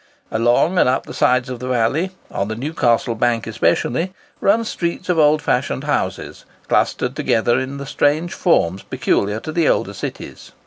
Along and up the sides of the valley—on the Newcastle bank especially—run streets of old fashioned houses, clustered together in the strange forms peculiar to the older cities.